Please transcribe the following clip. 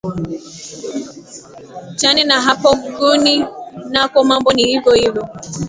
chane na hapo huko guinea nako mambo ni hivo hivo